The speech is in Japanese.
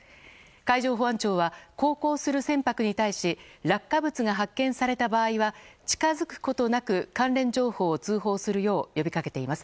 海上保安庁は航行する船舶に対し落下物が発見された場合は近づくことなく関連情報を通報するよう呼びかけています。